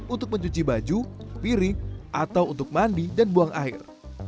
untuk mencuci baju piring atau untuk mandi dan buang air